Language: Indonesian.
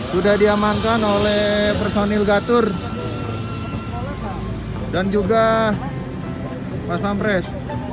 sudah diamankan oleh personil gatur dan juga pasman pres